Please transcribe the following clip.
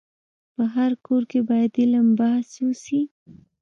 په هر کور کي باید علم بحث وسي.